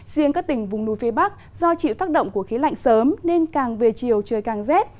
riêng các tỉnh vùng núi phía bắc do chịu tác động của khí lạnh sớm nên càng về chiều trời càng rét